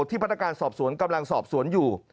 พนักการสอบสวนกำลังสอบสวนอยู่